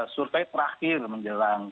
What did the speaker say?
survei terakhir menjelang